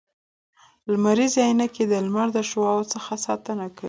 لمریزي عینکي د لمر د شعاوو څخه ساتنه کوي